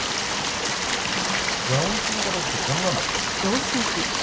蛇口の形ってこんなんだっけ？